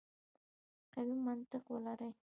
قوي منطق ولري.